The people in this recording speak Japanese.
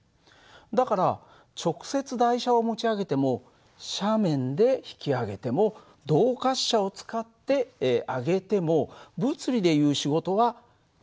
だから直接台車を持ち上げても斜面で引き上げても動滑車を使って上げても物理でいう仕事はみんな同じだ。